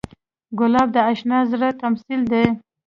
ګلاب د اشنا زړه تمثیل دی.